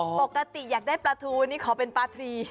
ปกติอยากได้ปลาทูนี่ขอเป็นปลาทรี